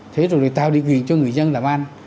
thế rồi là tạo định quyền cho người dân làm ăn